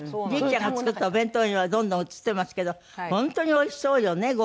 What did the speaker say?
りっちゃんが作ったお弁当今どんどん写ってますけど本当においしそうよね。